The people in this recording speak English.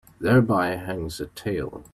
Thereby hangs a tale